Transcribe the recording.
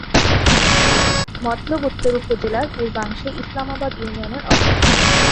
মতলব উত্তর উপজেলার পূর্বাংশে ইসলামাবাদ ইউনিয়নের অবস্থান।